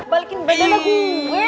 balikin bejanda gue